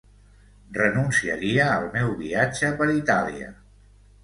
Renunciaria al meu viatge per Itàlia...